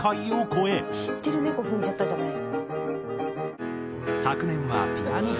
「知ってる『猫ふんじゃった』じゃない」